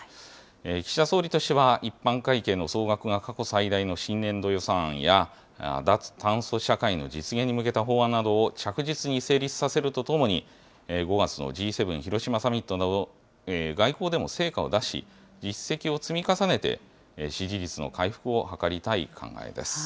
岸田総理としては、一般会計の総額が過去最大の新年度予算案や、脱炭素社会の実現に向けた法案などを着実に成立させるとともに、５月のＧ７広島サミットなど、外交でも成果を出し、実績を積み重ねて、支持率の回復を図りたい考えです。